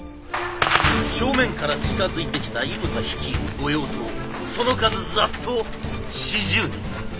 正面から近づいてきた伊牟田率いる御用盗その数ざっと４０人！